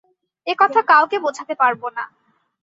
এ কথা কাউকে বোঝাতে পারব না।